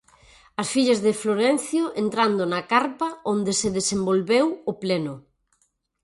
As fillas de Florencio entrando na carpa onde se desenvolveu o pleno.